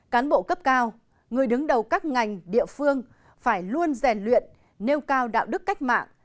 cán bộ cấp cao người đứng đầu các ngành địa phương phải luôn rèn luyện nêu cao đạo đức cách mạng